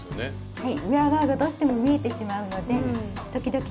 はい。